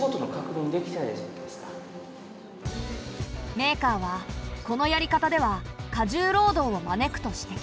メーカーはこのやり方では過重労働を招くと指摘。